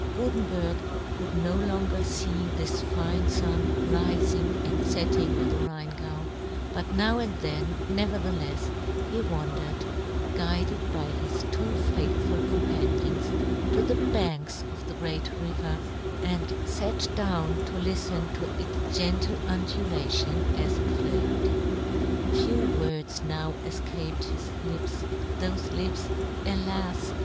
Gutenberg could no longer fee this fine fun rifing and fetting on the Rheingau, but now and then, neverthelefs, he wandered, guided by his two faith ful companions, to the banks of the 1 1 2 yohn Gutenberg. great river, and fat down to liften to its gentle undulation as it flowed. Few words now efcaped his lips ; thofe lips, alas